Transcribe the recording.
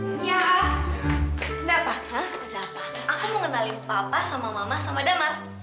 aku mau kenalin papa sama mama sama damar